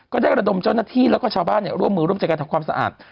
ก็ได้ระดมเจ้าหน้าที่แล้วก็ชาวบ้านร่วมมือร่วมใจกันทำความสะอาด